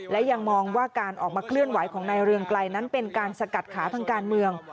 และยังมองว่าการออกมาเคลื่อนไหวของนายเรืองไกลนั้นเป็นการสกัดขาทางการเมือง